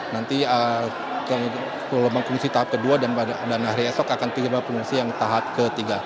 nanti kelembagaan kondisi tahap kedua dan pada hari esok akan tiba kondisi yang tahap ketiga